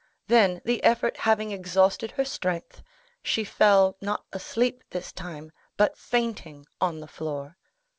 Then, the effort having exhausted her strength, she fell, not asleep this time, but fainting on the floor.